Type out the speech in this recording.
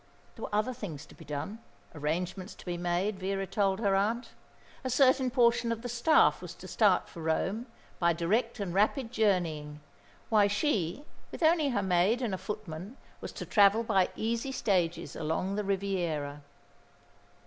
There were other things to be done, arrangements to be made, Vera told her aunt. A certain portion of the staff was to start for Rome, by direct and rapid journeying, while she, with only her maid and a footman, was to travel by easy stages along the Riviera.